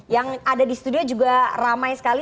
yang ada di studio juga ramai sekali